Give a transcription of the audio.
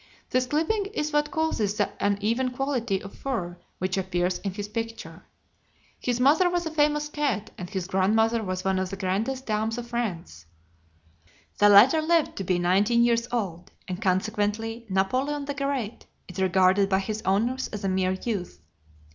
This clipping is what causes the uneven quality of fur which appears in his picture. His mother was a famous cat, and his grandmother was one of the grandest dams of France (no pun intended). The latter lived to be nineteen years old, and consequently Napoleon the Great is regarded by his owners as a mere youth.